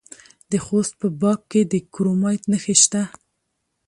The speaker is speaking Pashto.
د خوست په باک کې د کرومایټ نښې شته.